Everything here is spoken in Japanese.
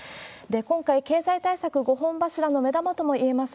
今回、経済対策５本柱の目玉ともいえます